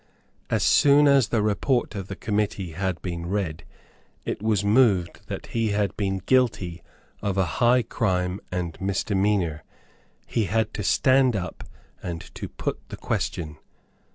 As soon as the report of the committee had been read, it was moved that he had been guilty of a high crime and misdemeanour. He had to stand up and to put the question.